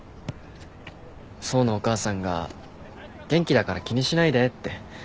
想のお母さんが「元気だから気にしないで」って。